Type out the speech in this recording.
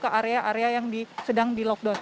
ke area area yang sedang di lockdown